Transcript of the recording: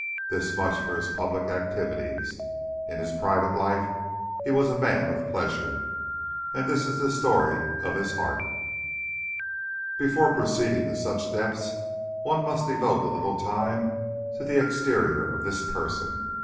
This much for his public activities. In his private life he was a man of pleasure. And this is the story of his heart. But before proceeding to such depths, one must devote a little time to the exterior of this person.